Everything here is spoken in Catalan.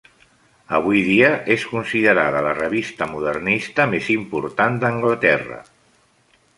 Avui dia, és considerada la revista modernista més important d'Anglaterra.